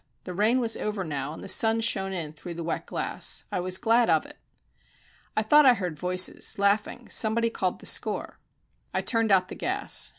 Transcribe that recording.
The rain was over now, and the sun shone in through the wet glass I was glad of it. "I thought I heard voices laughing somebody called the score." I turned out the gas.